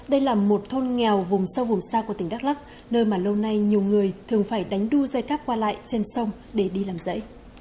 đây là một thôn nghèo vùng sâu vùng xa của tỉnh đắk lắc nơi mà lâu nay nhiều người thường phải đánh đu dây cáp qua lại trên sông để đi làm dãy